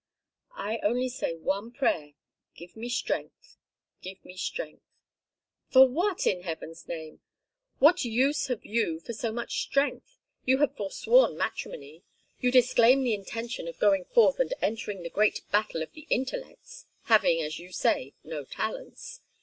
"I only say one prayer: 'Give me strength. Give me strength.'" "For what, in heaven's name? What use have you for so much strength? You have forsworn matrimony. You disclaim the intention of going forth and entering the great battle of the intellects having, as you say, no talents.